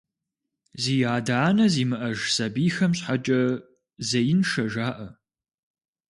Зи адэ-анэ зимыӏэж сабийхэм щхьэкӏэ зеиншэ жаӏэ.